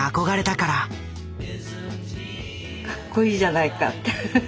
かっこいいじゃないかって。